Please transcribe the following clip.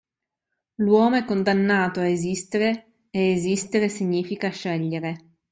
L'uomo è condannato a esistere e esistere significa scegliere.